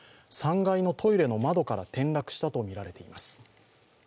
３階のトイレの窓から転落したとみられています。